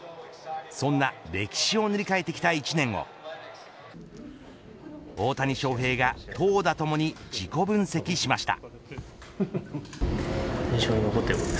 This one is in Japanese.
そんな歴史を塗り替えてきた一年を大谷翔平が投打ともに自己分析しました。